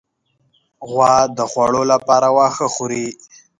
غوا د خوړو لپاره واښه خوري.